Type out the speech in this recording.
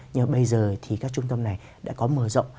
nhưng mà bây giờ thì các trung tâm này đã có mở rộng